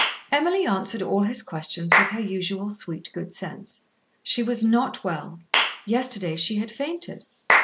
Emily answered all his questions with her usual sweet, good sense. She was not well. Yesterday she had fainted.